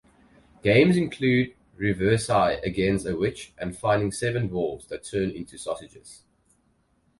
Games include reversi against a witch and finding seven dwarves that turn into sausages.